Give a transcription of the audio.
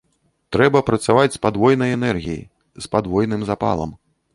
Трэба працаваць з падвойнаю энергіяй, з падвойным запалам.